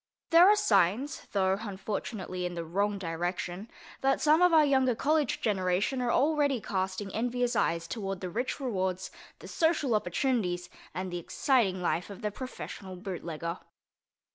There are signs (though, unfortunately, in the wrong direction) that some of our younger college generation are already casting envious eyes toward the rich rewards, the social opportunities and the exciting life of the professional bootlegger.